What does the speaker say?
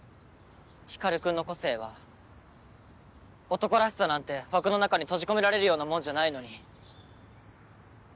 光君の個性は「男らしさ」なんて枠の中に閉じ込められるようなもんじゃないのに。